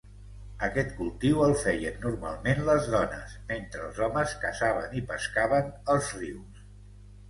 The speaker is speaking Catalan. Aquest cultiu el feien normalment les dones, mentre els homes caçaven i pescaven als rius.